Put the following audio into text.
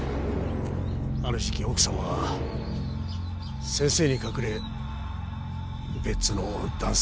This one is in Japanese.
ある時期奥様は先生に隠れ別の男性と。